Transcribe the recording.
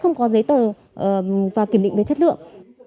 không có giấy tờ và kiểm định về chất lượng